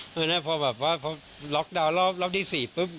เพราะฉะนั้นพอล็อกดาวน์รอบรอบที่๔ปุ๊บ